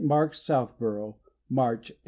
Mark's, Southborough, March, 1876.